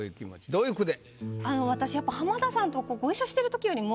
どういう句で？